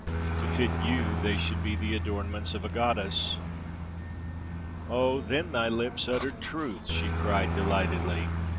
To fit you, they should be the adornments of a goddess!" "Oh, then thy lips uttered truth!" she cried delightedly.